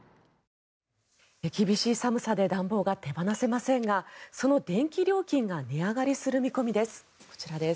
厳しい寒さで暖房が手放せませんがその電気料金が値上がりする見込みです。